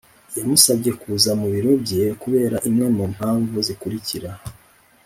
yamusabye kuza mu biro bye kubera imwe mu mpamvu zikurikira